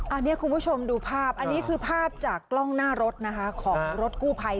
อันนี้คุณผู้ชมดูภาพอันนี้คือภาพจากกล้องหน้ารถนะคะของรถกู้ภัย